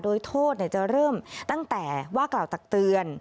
โดยโทษจะเริ่มตั้งแต่ว่ากล่าวตักเตือน